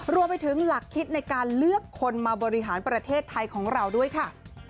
รวมไปถึงหลักคิดในการเลือกคนมาบริหารประเทศไทยของเราด้วยค่ะ